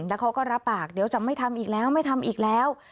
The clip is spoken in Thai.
แล้วเขาก็รับปากเดี๋ยวจะไม่ทำอีกแล้วไม่ทำอีกแล้ว